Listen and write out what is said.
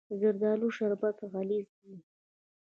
د زردالو شربت غلیظ وي.